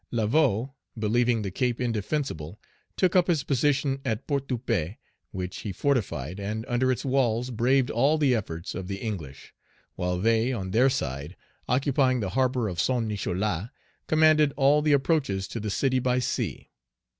Laveaux, believing the Cape indefensible, took up his position at Port de Paix, which he fortified, and under its walls braved all the efforts of the English; while they, on their side, occupying the harbor of Saint Nicholas, commanded all the approaches to the city by sea.